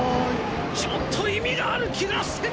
ちょっと意味がある気がしてきた！